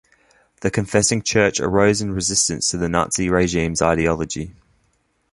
The Confessing Church arose in resistance to the Nazi regime's ideology.